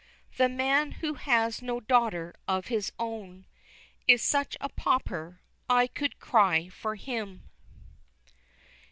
The man who has no daughter of his own Is such a pauper, I could cry for him.